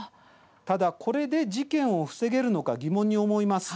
ただ、これで事件を防げるのか疑問に思います。